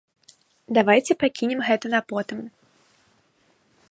Давайце пакінем гэта на потым.